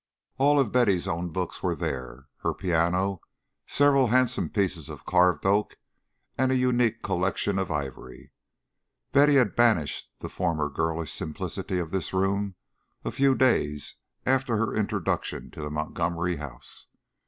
All of Betty's own books were there, her piano, several handsome pieces of carved oak, and a unique collection of ivory. Betty had banished the former girlish simplicity of this room a few days after her introduction to the Montgomery house.